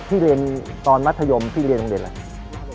ที่เรียนตอนมัธยมพี่เรียนโรงเรียนอะไร